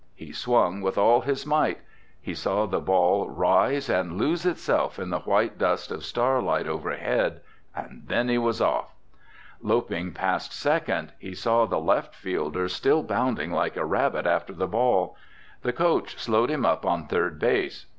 He swung with all his might. He saw the ball rise and lose itself in the white dust of starlight overhead. And then he was off! Loping past second, he saw the left fielder still bounding like a rabbit after the ball. The coach slowed him up on third base.